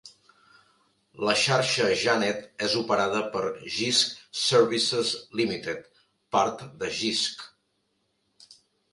La xarxa Janet és operada per Jisc Services Limited, part de Jisc.